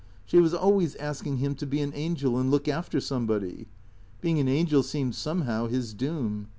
She was always asking him to be an angel, and look after somebody. Being an angel seemed somehow his doom.